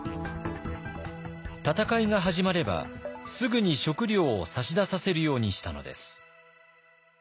戦いが始まればすぐに食糧を差し出させるようにしたのです。